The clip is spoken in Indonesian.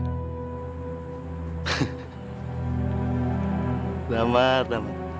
hehehe selamat selamat